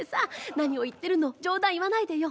何を言ってるの冗談言わないでよ。